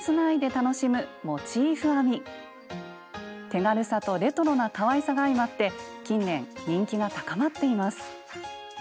手軽さとレトロなかわいさが相まって近年人気が高まっています。